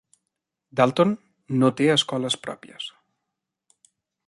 Dalton no té escoles pròpies.